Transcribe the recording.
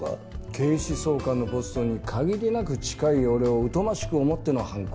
警視総監のポストに限りなく近い俺を疎ましく思っての犯行。